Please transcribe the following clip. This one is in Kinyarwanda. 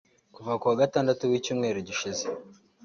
Kuva kuwa Gatandatu w’icyumweru gishize